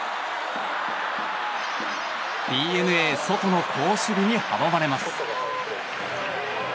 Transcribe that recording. ＤｅＮＡ、ソトの好守備に阻まれます。